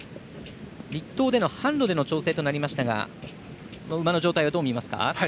栗東での坂路での調整となりましたが馬の状態は、どう見ますか？